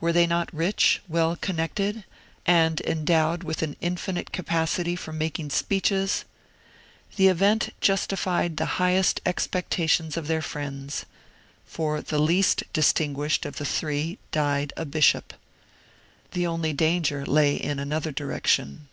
Were they not rich, well connected, and endowed with an infinite capacity for making speeches? The event justified the highest expectations of their friends; for the least distinguished of the three died a bishop. The only danger lay in another direction.